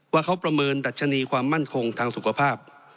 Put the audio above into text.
ว่าเขาประเมินดัชนีความมั่นคงทางสุขภาพ